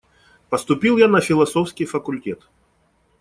Поступил я на философский факультет.